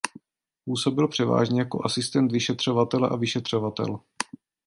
Působil převážně jako asistent vyšetřovatele a vyšetřovatel.